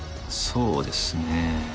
そうですね。